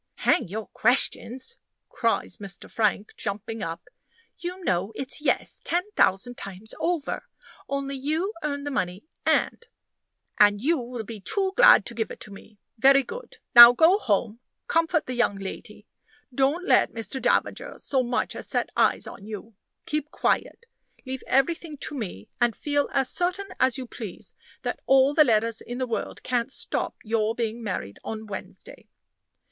"Hang your questions!" cries Mr. Frank, jumping up; "you know it's Yes ten thousand times over. Only you earn the money and " "And you will be too glad to give it to me. Very good. Now go home. Comfort the young lady don't let Mr. Davager so much as set eyes on you keep quiet leave everything to me and feel as certain as you please that all the letters in the world can't stop your being married on Wednesday."